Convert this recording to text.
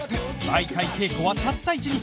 毎回稽古はたった１日